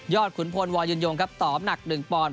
ยอดขุนพลวอยยุนยงตอบหนัก๑ปอนด์